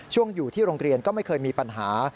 อยู่ที่โรงเรียนก็ไม่เคยมีปัญหา